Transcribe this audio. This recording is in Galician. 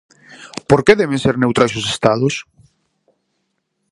Por que deben ser neutrais os estados?